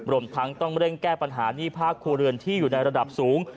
รวมทั้งต้องเร่งแก้ปัญหาหนี้ภาคครัวเรือนที่อยู่ในระดับสูง